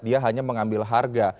dia hanya mengambil harga